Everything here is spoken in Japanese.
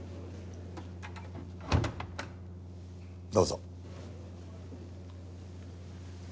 どうぞ。